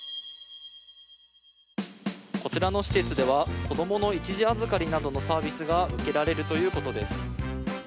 こちらの施設では、子供の一時預かりなどのサービスが受けられるということです。